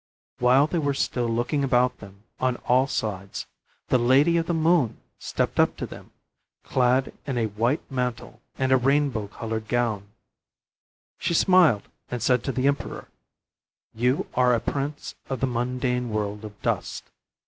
While they were still looking about them on all sides the Lady of the Moon stepped up to them, clad in a white mantle and a rainbow colored gown. She smiled and said to the emperor: "You are a prince of the mundane world of dust.